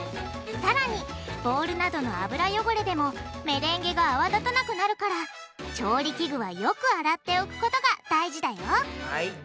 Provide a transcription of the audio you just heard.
さらにボウルなどの油よごれでもメレンゲが泡立たなくなるから調理器具はよく洗っておくことが大事だよはい。